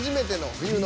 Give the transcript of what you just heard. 「冬の」？